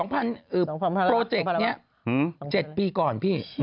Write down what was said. โปรเจกต์นี้๗ปีก่อนพี่